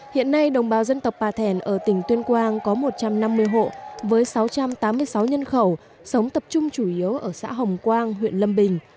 hiện nay đồng bào dân tộc bà thèn ở tỉnh tuyên quang có một trăm năm mươi hộ với sáu trăm tám mươi sáu nhân khẩu sống tập trung chủ yếu ở xã hồng quang huyện lâm bình